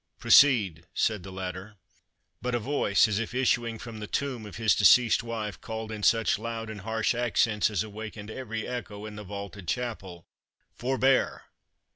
"Proceed," said the latter. But a voice, as if issuing from the tomb of his deceased wife, called, in such loud and harsh accents as awakened every echo in the vaulted chapel, "Forbear!"